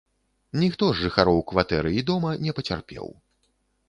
Ніхто з жыхароў кватэры і дома не пацярпеў.